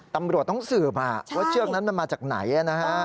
ตำรวจต้องสืบว่าเชือกนั้นมันมาจากไหนนะฮะ